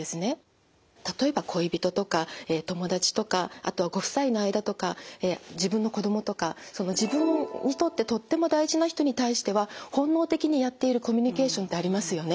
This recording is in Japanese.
例えば恋人とか友達とかあとはご夫妻の間とか自分の子供とか自分にとってとっても大事な人に対しては本能的にやっているコミュニケーションってありますよね。